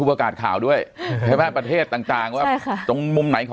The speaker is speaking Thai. สวัสดีครับทุกผู้ชม